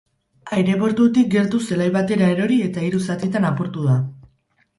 Aireportutik gertu zelai batera erori eta hiru zatitan apurtu da.